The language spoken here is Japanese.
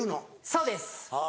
そうです。